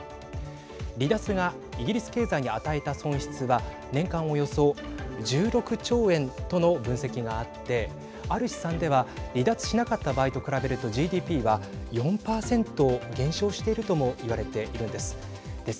離脱がイギリス経済に与えた損失は年間およそ１６兆円との分析があってある試算では離脱しなかった場合と比べるとＧＤＰは４％減少しているとも言われているんです。